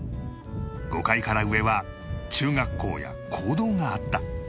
５階から上は中学校や講堂があった